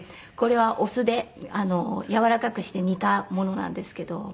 これはお酢で軟らかくして煮たものなんですけど。